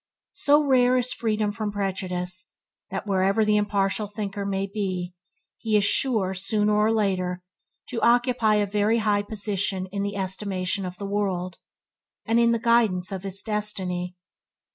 So rare is freedom from prejudice that wherever the impartial thinker may be, he is sure, sooner or later, to occupy a very high position in the estimation of the world, and in the guidance of its destiny.